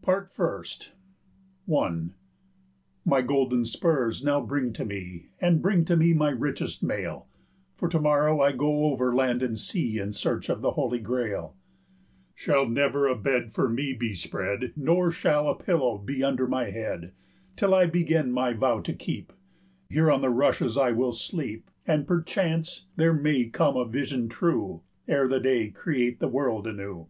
95 PART FIRST. I. "My golden spurs now bring to me, And bring to me my richest mail, For to morrow I go over land and sea, In search of the Holy Grail; Shall never a bed for me be spread, 100 Nor shall a pillow be under my head, Till I begin my vow to keep; Here on the rushes will I sleep, And perchance there may come a vision true Ere day create the world anew."